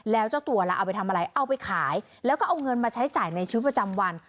แล้วเจ้าตัวล่ะเอาไปทำอะไรเอาไปขายแล้วก็เอาเงินมาใช้จ่ายในชีวิตประจำวัน